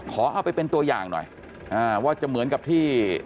ขอเอาไปเป็นตัวอย่างหน่อยว่าจะเหมือนกับที่